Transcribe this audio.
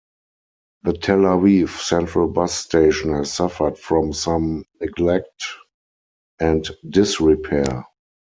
The Tel Aviv Central Bus Station has suffered from some neglect and disrepair.